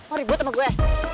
oru buat sama gue